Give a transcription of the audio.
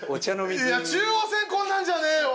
いや中央線こんなんじゃねえよ。